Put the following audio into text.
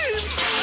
あ？